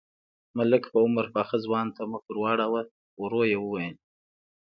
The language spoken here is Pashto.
ملک په عمر پاخه ځوان ته مخ ور واړاوه، ورو يې وويل: